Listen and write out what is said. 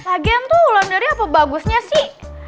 lagian tuh ulan dari apa bagusnya sih